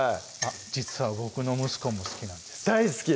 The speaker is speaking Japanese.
実は僕の息子も好きなんです大好き？